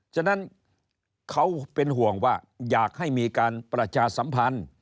ฉะนั้นเขาเป็นห่วงว่าอยากให้มีการประชาสัมพันธ์